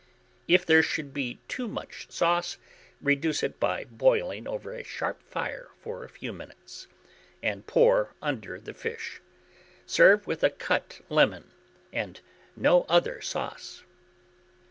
If there should be too much sauce, reduce it by boiling over a sharp fire for a few minutes, and pour under the fish. Serve with a cut lemon, and no other sauce.